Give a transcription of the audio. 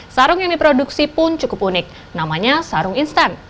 sarung yang diproduksi pun cukup unik namanya sarung instan